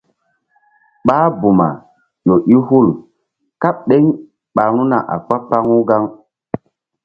Ɓáh buma ƴo i hul kaɓ ɗeŋ ɓa ru̧na a kpa-kpaŋu gaŋ.